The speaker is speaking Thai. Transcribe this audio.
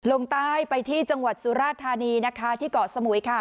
ลงใต้ไปที่จังหวัดสุราธานีนะคะที่เกาะสมุยค่ะ